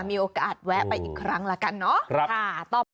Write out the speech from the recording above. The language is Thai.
มีโอกาสแวะไปอีกครั้งละกันเนาะ